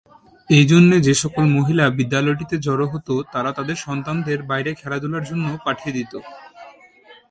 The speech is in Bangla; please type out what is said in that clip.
এই জন্যে যেসকল মহিলা বিদ্যালয়টিতে জড়ো হত তারা তাদের সন্তানদের বাইরে খেলাধুলার জন্য পাঠিয়ে দিত।